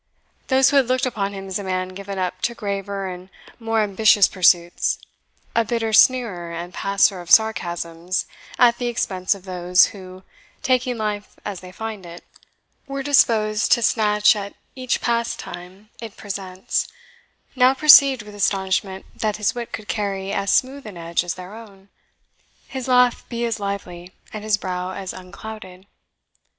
Those who had looked upon him as a man given up to graver and more ambitious pursuits, a bitter sneerer and passer of sarcasms at the expense of those who, taking life as they find it, were disposed to snatch at each pastime it presents, now perceived with astonishment that his wit could carry as smooth an edge as their own, his laugh be as lively, and his brow as unclouded.